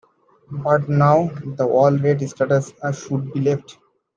But now, the all-red-status should be left.